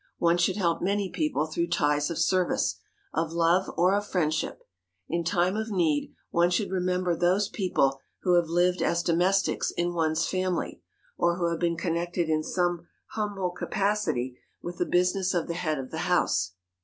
One should help many people through ties of service, of love or of friendship. In time of need, one should remember those people who have lived as domestics in one's family, or who have been connected in some humble capacity with the business of the head of the house.